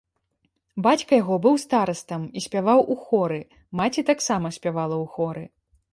Бацька яго быў старастам і спяваў у хоры, маці таксама спявала ў хоры.